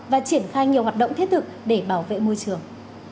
và triển khai nhiều hoạt động thiết thực để bảo vệ môi trường